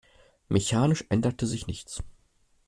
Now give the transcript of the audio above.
Mechanisch änderte sich nichts.